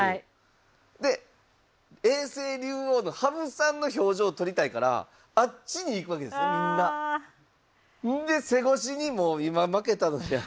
で永世竜王の羽生さんの表情を撮りたいからあっちに行くわけですねみんな。で背越しにもう「今負けたのに何やこれ」っていう状況。